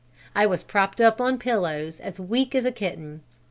I was propped up on pillows, as weak as a kitten.